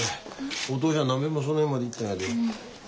お父ちゃん何べんもその辺まで行ったんやで。